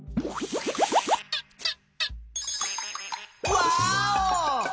ワーオ！